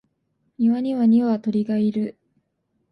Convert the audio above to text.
庭には二羽鶏がいる